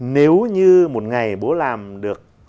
nếu như một ngày bố làm được